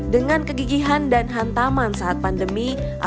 dengan kegigihan dan hantaman saat pandemi